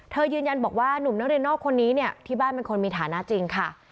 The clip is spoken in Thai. ยืนยันบอกว่าหนุ่มนักเรียนนอกคนนี้เนี่ยที่บ้านเป็นคนมีฐานะจริงค่ะ